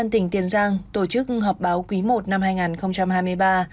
tỉnh tiền giang tổ chức họp báo quý i năm hai nghìn hai mươi ba